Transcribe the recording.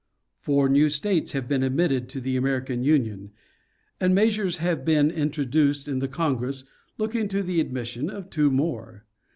Four new states have been admitted to the American Union, and measures have been introduced in the Congress looking to the admission of two more.